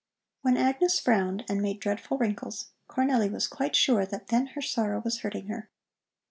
When Agnes frowned and made dreadful wrinkles, Cornelli was quite sure that then her sorrow was hurting her.